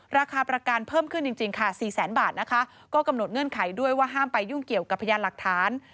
ราคาประกันเพิ่มขึ้นจริงค่ะ๔แสนบาทนะคะก็กำหนดเงื่อนไขด้วยว่าห้ามไปยุ่งเกี่ยวกับพยานหลักฐาน